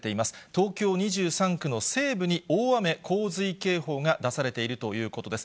東京２３区の西部に大雨洪水警報が出されているということです。